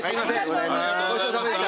ごちそうさまでした。